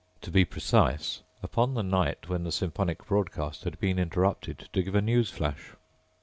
To be precise, upon the night when the symphonic broadcast had been interrupted to give a news flash.